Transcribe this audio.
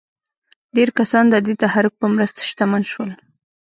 ډېر کسان د دې تحرک په مرسته شتمن شول.